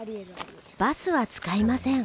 バスは使いません。